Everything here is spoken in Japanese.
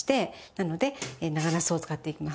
なので長なすを使っていきます。